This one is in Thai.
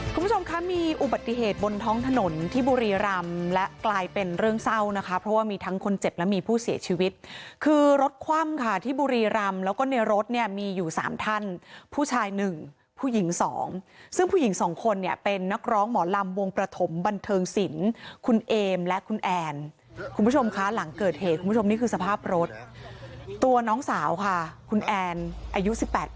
คุณผู้ชมคะมีอุบัติเหตุบนท้องถนนที่บุรีรำและกลายเป็นเรื่องเศร้านะคะเพราะว่ามีทั้งคนเจ็บและมีผู้เสียชีวิตคือรถคว่ำค่ะที่บุรีรำแล้วก็ในรถเนี่ยมีอยู่สามท่านผู้ชายหนึ่งผู้หญิงสองซึ่งผู้หญิงสองคนเนี่ยเป็นนักร้องหมอลำวงประถมบันเทิงศิลป์คุณเอมและคุณแอนคุณผู้ชมคะหลังเกิดเหตุคุณผู้ชมนี่คือสภาพรถตัวน้องสาวค่ะคุณแอนอายุ๑๘ปี